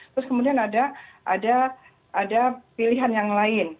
terus kemudian ada pilihan yang lain